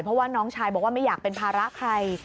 เพราะว่าน้องชายบอกว่าไม่อยากเป็นภาระใคร